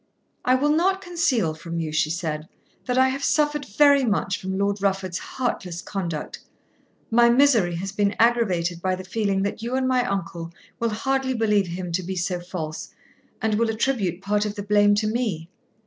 "I will not conceal from you," she said, "that I have suffered very much from Lord Rufford's heartless conduct. My misery has been aggravated by the feeling that you and my uncle will hardly believe him to be so false, and will attribute part of the blame to me.